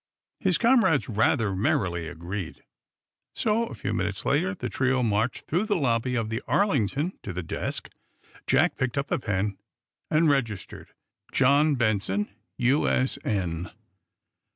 His comrades rather merrily agreed. So, a few minutes later, the trio marched through the lobby of the Arlington to the desk. Jack picked up a pen, and registered: "John Benson, U.S.N."